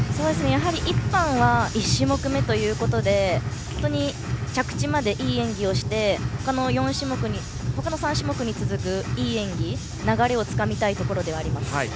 １班は１種目めということで本当に着地までいい演技をして他の３種目に続くいい演技流れをつかみたいところであります。